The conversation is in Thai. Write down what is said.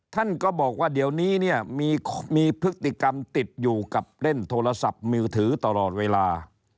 ท่านก็บอกว่าเดี๋ยวนี้เนี่ยมีพฤติกรรมติดอยู่กับเล่นโทรศัพท์มือถือตลอดเวลา